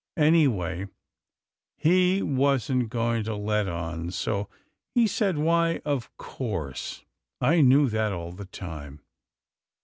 Anyway, he wasn't going to let on, so he said, "Why, of course! I knew that all the time.